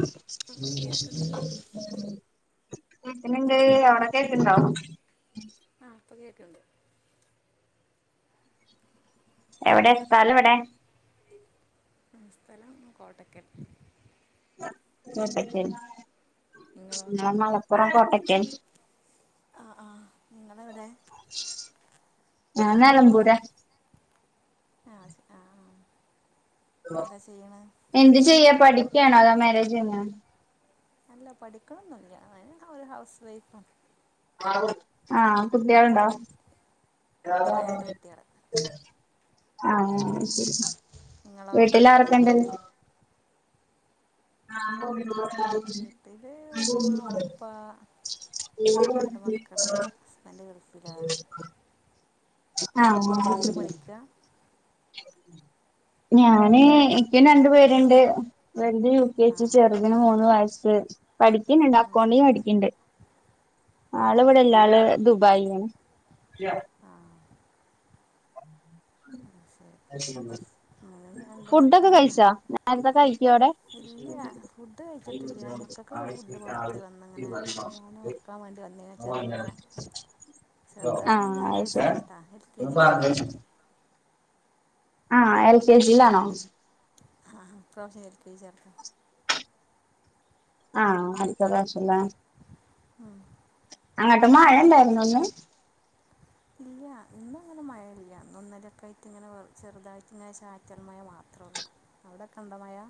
ഉ അപ്പോൾ കേൾക്കുന്നില്ലേ കേക്കണ് ണ്ട് അവ്ട കേക്ക്ണ്ടോ ഇപ്പ കേക്കുണ്ട് എവിടെ സ്ഥല എവിടെ നമ സ്ഥലം കോട്ടക്കൽ കോട്ടക്കൽ നിങ്ങളോ മലപ്പുറം കോട്ടക്കൽ ആ ആ നിങ്ങളെവിടെ ആ ഞാൻ നിലമ്പുരാ ആ ശ ആഹ് ആ എന്താ ചെയ്യണേ എന്ത് ചെയ്യ പഠിക്കണോ അതാ മാരേജ് കഴിഞ്ഞ അല്ല പഠിക്കണംന്നില്ല അ ഒരു ഹൗസ് വൈഫാണ് ആ കുട്ടികളുണ്ടോ ഉം. ആ രണ്ട് കുട്ടികൾ ആ ശരി നിങ്ങളോ വീട്ടില ആരൊക്കെണ്ട് ആ വീട്ടില് ഉ്മ്മ ഉപ്പ രണ്ട് മക്കള് ഹസ്ബൻഡ് [unintelligible] ആഹ് നിങ്ങളെന്താ [unintelligible] പഠിക്കുക ഞാന് എിക്കും രണ്ടുപേരുണ്ട് വെൽത് യു കെ ചെ ആ സി ചെറുതിന് മൂന്ന് വയസ്സ് പഠിക്കുന്ന്ണ്ട് ആ അക്കൗണ്ടി പഠിക്കണ്ട് ഏ ആളിവിടെല്ല ആള് ദുബായിലാണ് ആ അത് ശരി [unintelligible] ഞാനും രണ്ട് മക്കൾ ഫുഡോക്കെ തന്നെ കഴിച്ചാ നെരത്തെ കഴിക്കു അവിടെ ക്ക്ക് ഫുഡ് കൊടുത്ത് വന്നിങ്ങനെ മോനെ ഓർക്കാൻ വേണ്ടി വന്ന ചെറിയ മോനെ ചെറുതറഞ്ഞാല് ആഹ് നാല് അത് ശരി വയസായിട്ടാ എൽ കെ ജി ചേർത്ത് [unintelligible] ആഹ് എൽ കെ ജിലാണോ ആഹ് ഇപ്രാവശ്യം എൽ കെ ജി യാ ആഹ് അടുത്ത പ്രാവശ്യല്ലേ അങ്ങട്ട് മഴ ഇണ്ടായിരുന്നോ ഇന്ന് ഇല്ല്യാ ഇന്നങ്ങനെ മ ല്ലാ [unintelligible] ഇങ്ങനെ ചെറുതായിട്ട് ഇങ്ങനെ ചാറ്റൽ മഴ മാത്രേ ഒള്ളൂ അവിടെക്കിണ്ട മയാ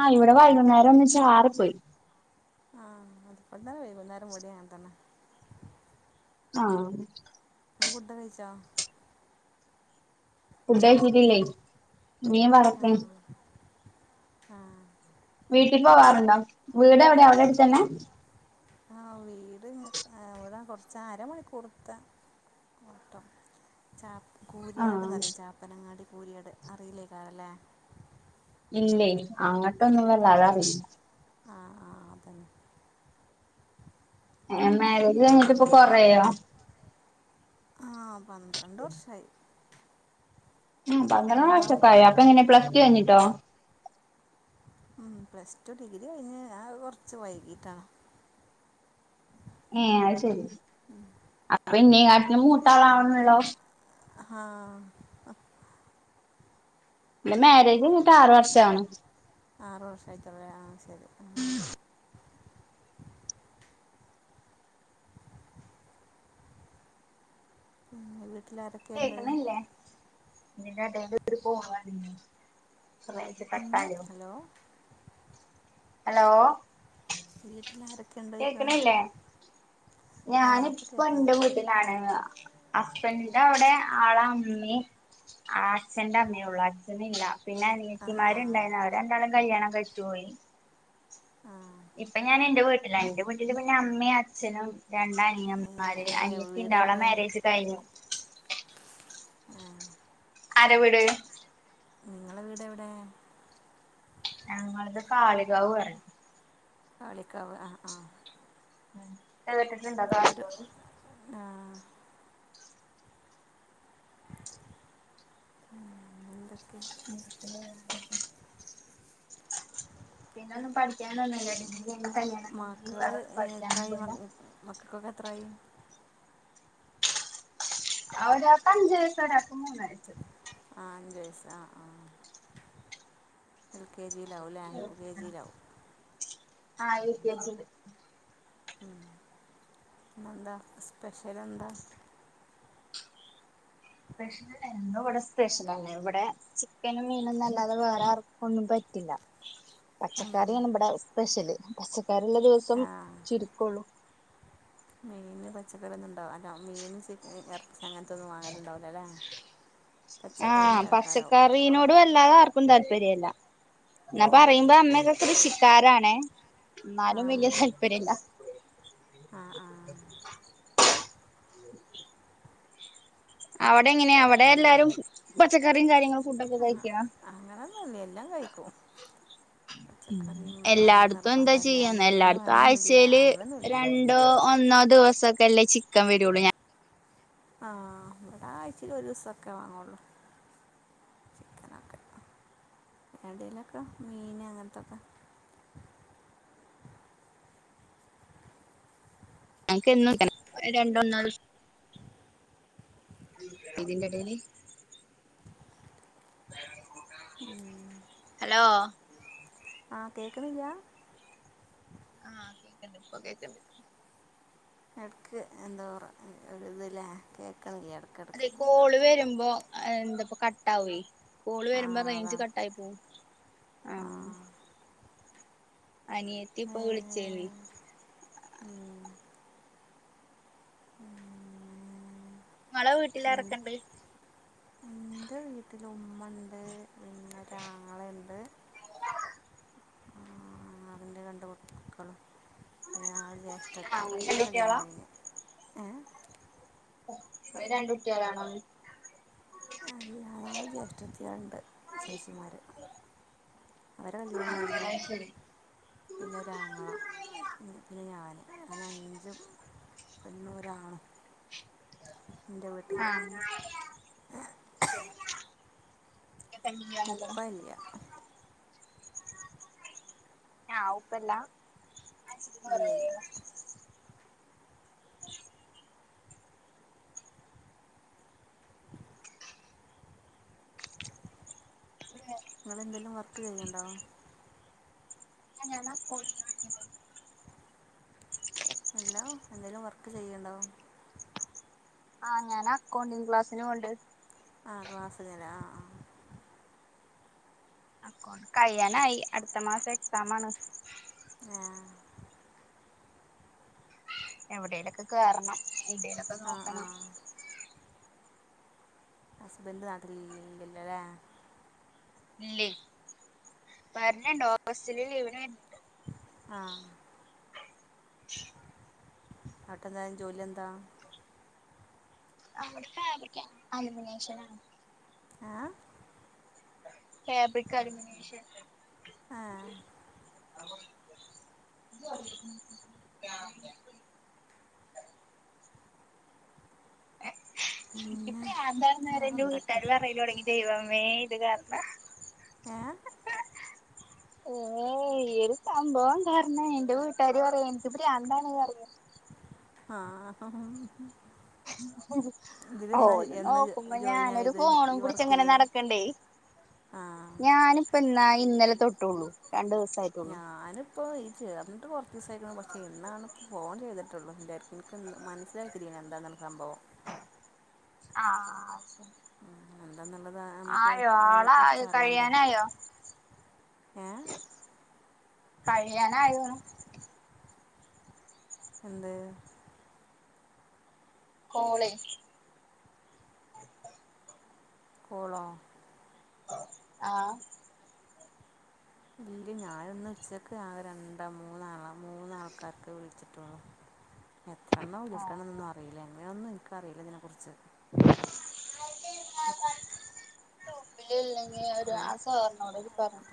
ആഹ് ഇവിടെ വൈകുന്നേരം ഒന്ന് ചാറി പോയി ആഹ് [unintelligible] തന്നെ വൈകുന്നേരം ഇവിടെയങ്ങനെ തന്നെ ആഹ് നീ ഫുഡ് കഴിച്ചോ ഫുഡഴിച്ചിട്ടില്ലേ മീൻ ആ വറ്ക്ക് വീട്ട ആ വീട്ടീ പോവാറുണ്ടോ വീട് എവിടെയാ അവിടെ അടുത്തന്നെ ആഹ് വീട് ഇവിടെ കൊറച്ച് അര മണിക്കൂർത്ത ട്ടം ചാ കൂരിയാട് ആഹ് [unintelligible] ചാപ്പനങ്ങാടി കൂരിയാട് അറിയില്ലേ [unintelligible] ഇല്ലേ അങ്ങട്ടൊന്നും [unintelligible] ആ ആ അതന്നെ എന്നാല് ഉം ആഹ് പന്ത്രണ്ട് വർഷായി ഉം പന്ത്രണ്ട് വർഷാക്കായോ അപ്പൊ എങ്ങനെ പ്ലസ് ടു കഴിഞ്ഞിട്ടോ ഉം പ്ലസ് ടു ഡിഗ്രി കഴിഞ്ഞ് കൊറച്ച് വൈകീട്ടാണ് ഏഹ് അത് ശരി അപ്പോ എന്നേ കാട്ടിലും മൂത്താളാണല്ലോ ആഹ് എന്റെ മാരേജ് കഴിഞ്ഞിട്ട് ആറ് വർഷാവണ് ആറുവർഷം ആയിട്ടൊള്ളു ആഹ് ശരി ആ. വീട്ടിൽ ആരെക്കെയ്ണ്ട്- ഇതിൻ്റെ എടയില് ഉം, [unintelligible] [unintelligible] ഹലോ [unintelligible] ഹലോ- വീട്ടിലാരൊക്കെയുണ്ട് ചോദിക്കുക കേക്കണില്ലേ ആ അപ്പോൾ ഞാനിപ്പ ന്റെ കേൾക്കുന്നുണ്ട് വീട്ടിലാണ്- ഹസ്ബൻഡിന്റെ അവിടെ ആളാ അമ്മി- ആ അച്ഛന്റെ അമ്മേള്ളൂ അച്ഛനില്ലാ- പിന്നെ ആ ആ അനിയത്തിമാരിണ്ടാരുന്നു അവര് രണ്ടാളും കല്യാണം കഴിച്ചുപോയി- ആ ഇപ്പം ഞാനെൻ്റെ വീട്ടിലാ എന്റെ വീട്ടില് പിന്നെ അമ്മയേംഅച്ഛനും- രണ്ട് ഇനി- അനിയൻമാര് ആ, അനിയത്തീണ്ട് വീട് അവളെ എവിടെ മാരേജ് കഴിഞ്ഞു- ആ, ആരവീട്? നിങ്ങളെ വീട് എവിടെ? ഞങ്ങളത് കാളികാവ് പറു കാളിക്കാവ് ആ ആ കേട്ടിട്ടുണ്ടോ ഒരു [unintelligible] ആ എന്തൊക്കെ പിന്നെ ഒന്നും പഠിക്കാനൊന്നുല്ലെ [unintelligible] കല്യാണം [unintelligible] വേറെ പഠിക്കാനൊന്നും പോയില്ലാ ക്കെത്രായി അവനിപ്പ അഞ്ച് വയസായി [unintelligible] മൂന്ന് ആ അഞ്ച് വയസ് ആ ആ എൽ കെ ജിയിലാവൂലേ കെ ജിയിലാ ആ എൽ. കെ. ജിയില് ന്ന്എന്താ സ്പെഷ്യല് എന്താ സ്പെഷ്യല് ഇവിടെ സ്പെഷ്യലല്ലെ ഇവിടെ ചിക്കനും മീനൊന്നുല്ലാതെ വേറെ ആർക്കും ഒന്നും പറ്റ റ്റില്ലാ ഉം. പച്ചക്കറിയാണ് ഇവിടെ സ്പെഷ്യല് പച്ചക്കറി ഉള്ള ദിവസം ചുരുക്കുള്ളൂ മീന്, പച്ചക്കറി, ഒന്നും ഇണ്ടാവ അല്ല മീൻ ഇറച്ചി അങ്ങനത്തൊന്നും വാങ്ങലുണ്ടാവലോ അല്ലേ. ആ, പച്ചക്കറിൻ്റെ ആൾക്കാരാവും പച്ചക്കറീനോട് വല്ലാതെ ആർക്കും താല്പര്യമല്ല എന്നാ ഏ പറയുമ്പോ അമ്മൊക്കെ കൃഷിക്കാരാണേ ആ എന്നാലും വല്യ താല്പര്യല്ല ആ ആ [unintelligible] അവിടെ എങ്ങനെയാ അവിടെ എല്ലാരും പച്ചക്കറിയും കാര്യങ്ങളും ഫുഡൊക്കെ ആ കഴിക്കോ അങ്ങനൊന്നുവില്ല എല്ലാം കഴിക്കും. ഉം ഉം, പച്ചക്കറിയും വേണമെന്ന് എല്ലായിടത്തും എന്താ നിർബന്ധമില്ല ചെയ്യാന്ന് മീൻ എല്ലാടത്തും വേണമെന്നില്ല ആഴ്ചയില് അങ്ങനൊന്നുമില്ല രണ്ടോ ഒന്നോ ദിവസൊക്കെല്ലേ ചിക്കൻ വരുള്ളൂ ഞാൻ ആ, ഇവിടെ ആഴ്‌ചെല് ഒരു ദിവസം ഒക്കെ വാങ്ങള്ളൂ [unintelligible] എന്തെങ്കിലുമൊക മീന് അങ്ങനത്തൊക്കെ എനക്ക് എന്നും ഇല്ല ഒരു രണ്ടൊ നാലോ ദിവസം ഇതിന്റെടേല് ഹലോ ആ കേൾക്കുന്നില്ല്യാ ആ കേക്കണ്ട്, ഇപ്പോ കേക്കണ്ട് എടക്ക് എന്തോ ഒരു ഇതല്ലേ, അതെ കോള് വരുമ്പോ എന്താപ്പ കട്ടാവുവെ കോള് ആ വരുമ്പോ റേഞ്ച് അതാണ് കട്ടായി പോവും. ആ അനിയത്തി ഇപ്പൊ വിളിച്ചെയുള് [unintelligible] വീട്ടിലാറക്കണ്ട് എന്റെ വീട്ടില് ഉമ്മണ്ട് പിന്നെ ഒരാങ്ങള ഉണ്ട് [unintelligible] ആ അതിന്റെ [unintelligible] പിന്നെ [unintelligible] ജ്യേഷ്ഠത്തിടെ ആഹ് അവരടെ രണ്ടുട്ട്യാളാ കല്യാണം കഴിഞ്ഞ്, ഏ രണ്ടു കുട്ട്യളാണോ. നാല് ജ്യേഷ്ഠത്തിമാരുണ്ട്, ചേച്ചിമാര് അവര കല്യാണം കഴിഞ്ഞതാ അത് ശരി പിന്നെ ഒരാങ്ങള, പിന്നെ ഞാന്, അങ്ങനെ അഞ്ചു പെണ്ണു ഒരാണു ആ ഉപ്പ [unintelligible] ഇല്ല ആ, ഉപ്പല്ല ഇയ്യ, ഇയ്യ ഉം [unintelligible] നിങ്ങളെന്തെലും വർക്ക് ചെയ്യുണ്ടോ? ഞാനാ [unintelligible] ഹലോ, എന്തേലും വർക്ക് ചെയ്ണ്ടോ ആ, ഞാന അക്കൗണ്ടിങ് ക്ലാസ്സിനോവ്ണ്ട് ആ, ക്ലാസ്സ് നില ആ, ആ അകൊണ്ട് കഴ്യാനായി അടുത്ത മാസം എക്സാം ആണ് ആ, എവിടയിലൊക്കെ കേറണം എവിടയിലൊക്കെ ആ നോക്കണം ആ ഹസ്ബൻഡ് നാട്ടിലില്ലല്ലേ ഇല്ലേ, വരണൊണ്ട് ഓഗസ്റ്റില് ലീവിന് വരണുണ്ട് ആഹ് പട്ടെന്തായും ജോലിെന്താ [unintelligible] ഫാബ്രിക് അലൂമിനിയേഷണ ഏ ഫബ്രക് കലിമിനേഷൻ ആ [unintelligible] പിന്നെ വേറെന്തൊക്കെ [unintelligible] തുടങ്ങി ദൈവമേ ഇത് കാരണം ഏ ഏ ഈ ഒരു സംഭവം കാരണ എന്റെ വീട്ടുകാര് പറയാ എനിക്കിപ്പ രന്താാണ് റിയ [unintelligible] ആഹ് ഉ [unintelligible] ഓ ഹൊ ഓ എന്നാ നോക്കുമ്പോ ജോയിൻ ഞാനൊരു ആയത് ഫോണും ഈ പൂടിച്ച വർക്കിൽ ങ്ങനെ നടക്ണ്ടേ ആ ഞാനിപ്പോന്നാ ഇന്നലെ തൊട്ടുള്ളൂ രണ്ടു ദിവസായിട്ടുള്ളൂ ഞാനിപ്പോ ഈ ചേർന്നിട്ട് കൊർച്ചീസായിക്ണ് പക്ഷെ ഇന്നാണ് ഫോൺ ചെയ്തി റ്റുള്ളൂ ന്റെട്ക് ൻക് മനസ്സിലായിട്ടില്ലേഞ് എന്താന്ന്ള്ള സംഭവം ആഹ് ശെ ന്തെന്നുള്ളത് ആ മുക്ക് അയിനെക്കുറിച്ച് ആളായോ അറിയണ്ടേ കഴിയാനായോ ഏഹ് കഴിയാനായോ എന്ത് കോളെ കോളോ ആഹ് ഇല്ല ഞാനിന്ന് ച്ചക് ആ രണ്ടാ മൂന്നാളാ മൂന്നാൾക്കാർക്ക് വിളിച്ചിട്ടുള്ളു ഉ [unintelligible] എത്ര എണ്ണം വിളിക്കണം ന്നും അറിയില്ല എങ്ങെനോന്നും എനിക്കറിയില്ല ഇതിനെക്കുറിച്ച് [unintelligible] കുറേ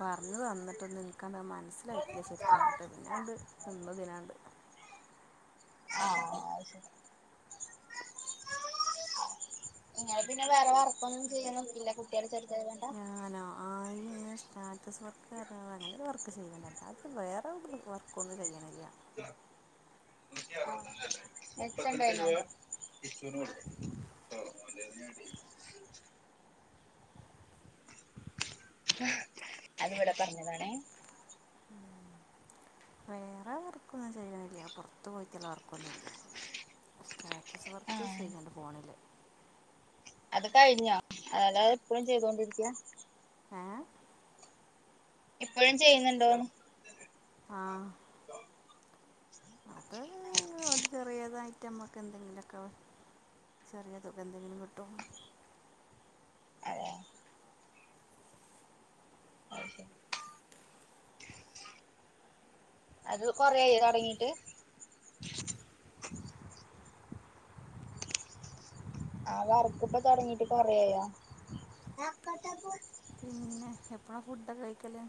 പറഞ്ഞു അൻട്ട് പിന്നാണ്ട് നിന്നതിനാണ്ട് ആഹ് ശ ഇങ്ങനെ പിന്നെ വേറെ വർക്കൊന്നും ചെയ്യാൻ നോക്കില്ല കുട്ടിള് ചെറി ഞാനോ ആയി സ്റ്റാറ്റസ് വർകത അങ്ങന ഒരു വർക്ക് ചെയ്യണ്ട അത് വേറെ ഒരു വർക്കൊന്നു ചെയ്യിണില്ല ആ [unintelligible] [unintelligible] [unintelligible] അതിവിടെ പറഞ്ഞതാണേ വേറെ വർക്കൊന്നും ചെയരിാനില്ല പുറത്ത്ു പോയി ഒത്തിുള്ള വർക്കൊന്നുമില്ല സ്റ്റാറ്റസ് വർക്ക് ആഹ് ചെയീണ്ട് ഫോണില് അത് കഴിഞ്ഞോ [unintelligible] എപ്പോഴും ചെയ്തൊണ്ടിരിക്കയാ ഏ ഇപ്പോഴും ചെയ്യുന്നുണ്ടോന്ന് ആഹ അത് ഒരു [unintelligible] ചെറിയതായി നമക്ക് എന്തെങ്കിലൊക്കെ ചെറിയ തുക എന്തെങ്കിലും കിട്ടും അതെ [unintelligible] അത് കൊറായി തുടങ്ങിട്ട് ആ വർക്ക് ഇപ്പ തുടങ്ങീട്ട് കൊറായോ എപ്പഴാ ഫുഡ് കഴിക്കല്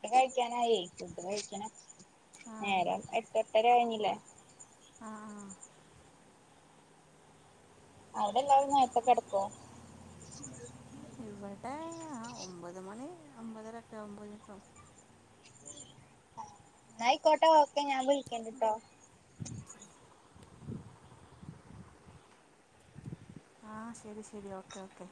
ഫു്ഡ് കഴിക്കാനായി ഫുഡ് കഴിക്കണം ആ നേരം എട്ടെട്ടര കഴിഞ്ഞില്ലേ ആ ആ അവിടെ എല്ലാവരും നേരത്തക്കെ ടക്കോ ഇവിടെ ആ ഒമ്പത് മണി ഒമ്പതരക്കെ ആകുബോഴെക്ക് കെടക്കും ആ എന്നയിക്കോട്ടെ ഒക്കെ ഞാൻ വിളികേണ്ട്ട്ടോ ആ ശരി ശരി ഓക്കെ ഓക്കെ